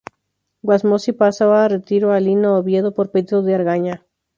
Wasmosy pasa a retiro a Lino Oviedo, por pedido de Argaña.